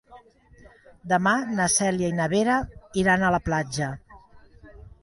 Demà na Cèlia i na Vera iran a la platja.